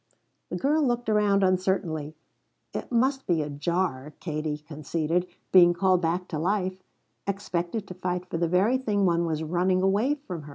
The girl looked around uncertainly. It must be a jar, Katie conceded, being called back to life, expected to fight for the very thing one was running away from.